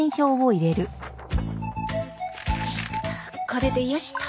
これでよしっと。